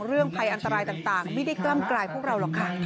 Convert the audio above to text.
เรื่องภัยอันตรายต่างไม่ได้กล้ำกลายพวกเราหรอกค่ะ